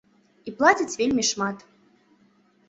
І плацяць вельмі шмат.